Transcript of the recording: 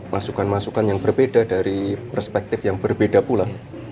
masukan masukan yang berbeda dari perspektif yang berbeda pula